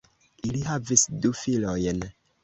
Ili havis du filojn.